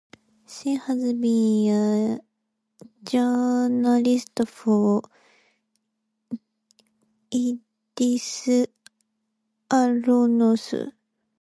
She has been a journalist for Yedioth Ahronoth.